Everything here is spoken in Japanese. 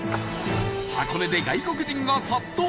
箱根で外国人が殺到！